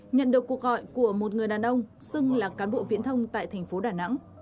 nhận được cuộc gọi của một người đàn ông xưng là cán bộ viễn thông tại thành phố đà nẵng